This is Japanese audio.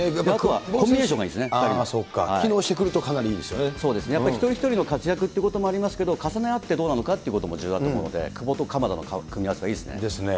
コンビネーションがいいですね、機能してくるとかなりいいんそうですね、やっぱり一人一人の活躍ということもありますけれども、重ね合ってどうなのかということも重要だと思うので、久保と鎌田の組み合わせはいいでですね。